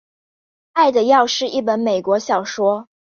爱的药是一本美国小说。